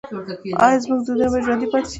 آیا زموږ دودونه به ژوندي پاتې شي؟